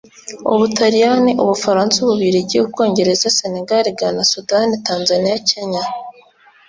Ubutaliyani ubufaransa ububiligi ubwongereza senegal ghana sudan tanzaniya kenya